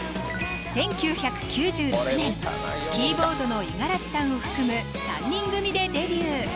１９９６年キーボードの五十嵐さんを含む３人組でデビュー